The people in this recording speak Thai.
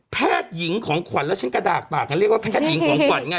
แพทย์หญิงของขวัญแล้วฉันกระดากปากเรียกว่าแพทย์หญิงของขวัญไง